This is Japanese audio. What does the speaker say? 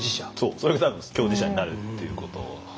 それが多分共事者になるっていうこと。